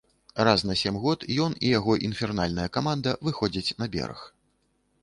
Раз на сем год ён і яго інфернальная каманда выходзяць на бераг.